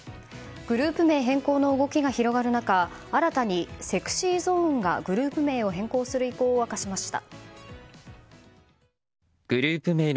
グループ名変更の動きが広がる中新たにＳｅｘｙＺｏｎｅがグループ名を変更する意向を明かしました。